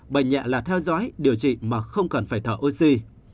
bệnh nhẹ là theo dõi điều trị mà không cần phải thở oxy